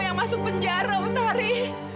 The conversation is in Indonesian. yang masuk penjara putari